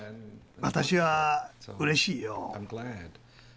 私はうれしいよ。